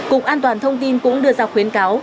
cục an toàn thông tin cũng đưa ra khuyến cáo